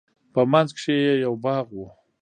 په منځ کښې يې يو باغ و.